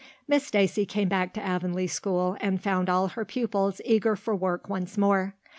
Miss Stacy came back to Avonlea school and found all her pupils eager for work once more.